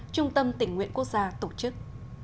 trung tâm tỉnh nguyện quốc gia tổ chức